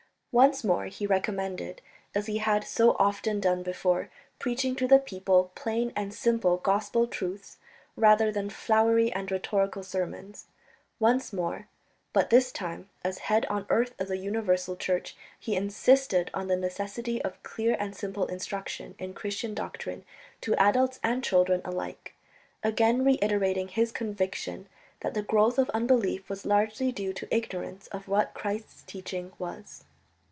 Once more he recommended, as he had so often done before, preaching to the people plain and simple gospel truths rather than flowery and rhetorical sermons. Once more, but this time as head on earth of the Universal Church, he insisted on the necessity of clear and simple instruction in Christian doctrine to adults and children alike, again reiterating his conviction that the growth of unbelief was largely due to ignorance of what Christ's teaching was.